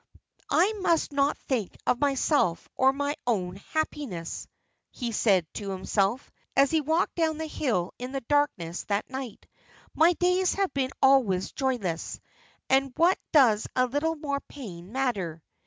"I must not think of myself or my own happiness," he said to himself, as he walked down the hill in the darkness that night. "My days have been always joyless, and what does a little more pain matter?